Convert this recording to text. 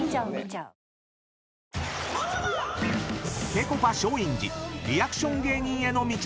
［ぺこぱ松陰寺リアクション芸人への道］